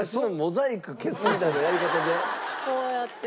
こうやって。